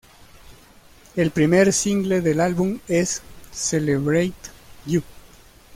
El primer single del álbum es "Celebrate You".